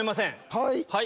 はい。